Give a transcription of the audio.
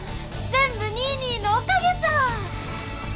全部ニーニーのおかげさ！